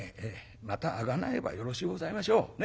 またあがなえばよろしゅうございましょう。